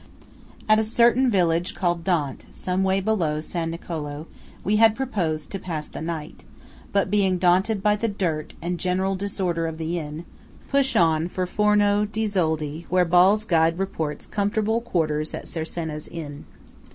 At a certain village called Dont, some way below San Nicolo, we had proposed to pass the night; but being daunted by the dirt and general disorder of the inn, push on for Forno di Zoldo where Ball's Guide reports "comfortable quarters at Cercena's inn."